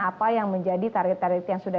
apa yang menjadi target target yang sudah